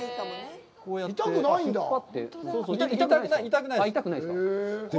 痛くないんですか？